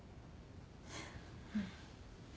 うん。